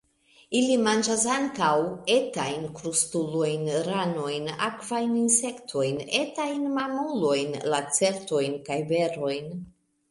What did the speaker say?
Ili manĝas ankaŭ etajn krustulojn, ranojn, akvajn insektojn, etajn mamulojn, lacertojn kaj berojn.